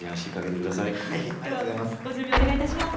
ではご準備お願いいたします。